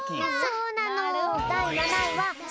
そうなの。